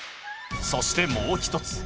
そしてもう一つ。